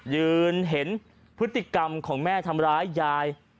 ยืนเห็นพฤติกรรมของแม่ทำร้ายยาย